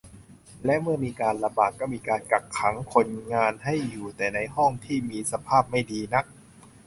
และเมื่อมีการระบาดก็มีการกักขังคนงานให้อยู่แต่ในห้องที่มีสภาพไม่ดีนัก